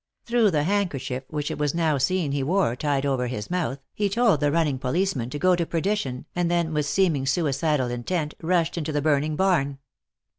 Through the handkerchief which it was now seen he wore tied over his mouth, he told the running policeman to go to perdition, and then with seeming suicidal intent rushed into the burning barn.